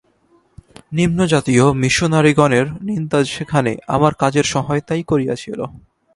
নিম্নজাতীয় মিশনরীগণের নিন্দা সেখানে আমার কাজের সহায়তাই করিয়াছিল।